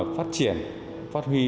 phát triển phát huy